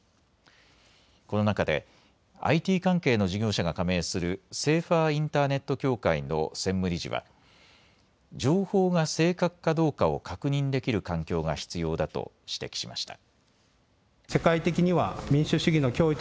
この中でＩＴ関係の事業者が加盟するセーファーインターネット協会の専務理事は情報が正確かどうかを確認できる環境が必要だと指摘しました。